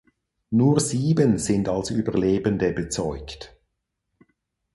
Nur sieben sind als Überlebende bezeugt.